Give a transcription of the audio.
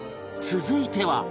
続いては